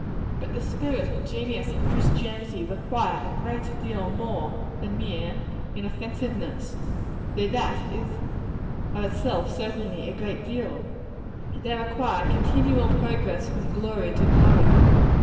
But the spirit and genius of Christianity require a great deal more than mere inoffensiveness though that is, of itself, certainly, a great deal. They require continual progress from glory to glory.